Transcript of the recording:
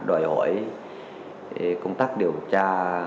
đòi hỏi công tác điều tra